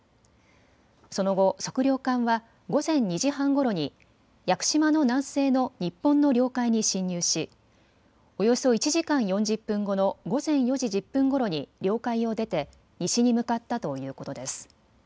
その後、測量艦は午前２時半ごろに屋久島の南西の日本の領海に侵入しおよそ１時間４０分後の午前４時１０分ごろに領海を出て西に向かったということです。